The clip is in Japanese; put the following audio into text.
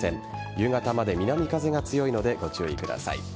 夕方まで南風が強いのでご注意ください。